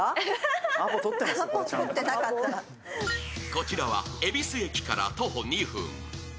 こちらは恵比寿駅から徒歩２分。